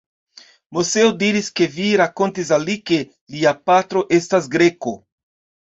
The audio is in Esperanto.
Moseo diris, ke vi rakontis al li, ke lia patro estas Greko.